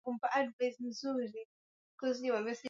eli elsmayor porte la haiti